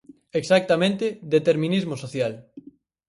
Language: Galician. Exactamente, determinismo social.